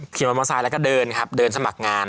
เข้ามาม้าคราวอะไรก็เดินครับเดินสมัครงาน